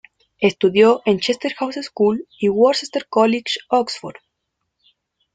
Estudió en Charterhouse School y Worcester College, Oxford.